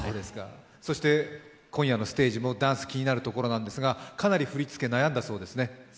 そして今夜のステージもダンス気になるところなんですがかなり振り付け悩んだそうですね。